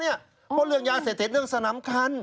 เพราะเรื่องยาเสพติดเรื่องสนามคัน